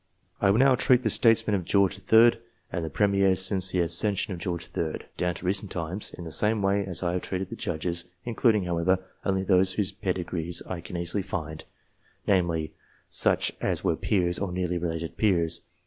I will now treat the Statesmen of George III. and the Premiers since the accession of George III. down to recent times, in the same way as I have treated the Judges ; in cluding, however, only those whose pedigrees I can easily find, namely, such as were peers or nearly related to peers.